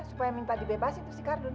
supaya minta dibebasin si kardun